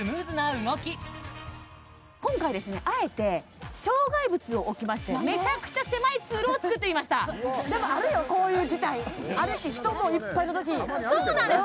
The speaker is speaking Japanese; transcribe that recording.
今回ですねあえて障害物を置きましてめちゃくちゃ狭い通路をつくってみましたでもあるよこういう事態あるし人もいっぱいのときそうなんです